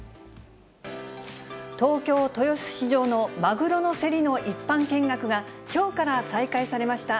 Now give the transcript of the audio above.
東京・豊洲市場のマグロの競りの一般見学が、きょうから再開されました。